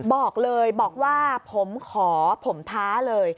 บอกเลยบอกว่าผมขอผมท้าเลย